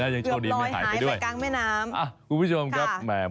พับกันใหญ่เลยเดี๋ยวปลอยหายไปกลางแม่น้ำคุณผู้ชมครับ